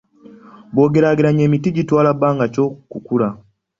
Bw'ogeraageranya emiti gitwala bbanga ki okukula?